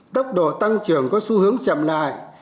tốc độ tăng trưởng có xu hướng chậm lại